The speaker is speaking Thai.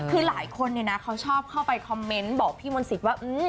คือหลายคนเนี่ยนะเขาชอบเข้าไปคอมเมนต์บอกพี่มนต์สิทธิ์ว่า